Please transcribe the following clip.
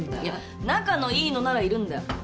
いや仲のいいのならいるんだよ。